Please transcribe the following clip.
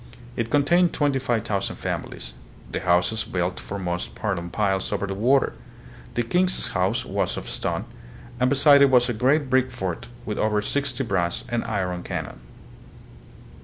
It contained twenty five thousand families, the houses built for most part on piles over the water. The king's house was of stone, and beside it was a great brick fort, with over sixty brass and iron cannon.